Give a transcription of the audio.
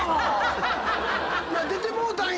出てもうたんや！